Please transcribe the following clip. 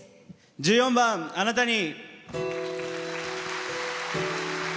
１４番「あなたに」。